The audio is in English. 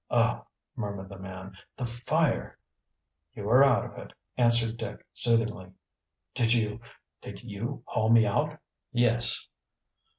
"Oh!" murmured the man. "The fire " "You are out of it," answered Dick soothingly. "Did you did you haul me out?" "Yes."